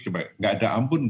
coba nggak ada ampun kan